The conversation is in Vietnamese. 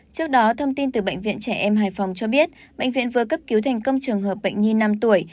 trước đó thông tin từ bệnh viện trẻ em hải phòng cho biết bệnh viện vừa cấp cứu thành công trường hợp bệnh nhi năm tuổi